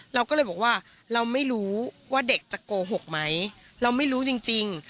เราก็เลยบอกว่าเราไม่รู้ว่าเด็กจะโกหกไหมเราไม่รู้จริง